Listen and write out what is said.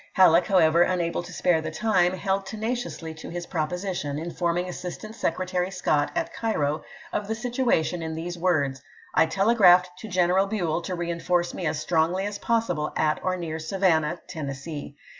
Hal leck, however, unable to spare the time, held tenaciously to his proposition, informing Assistant Secretary Scott, at Cairo, of the situation in these words :" I telegraphed to General Buell to reenf orce me as strongly as possible at or near Savannah [Tennessee]